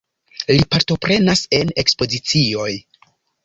Li partoprenas en ekspozicioj.